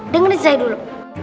dengerin saya dulu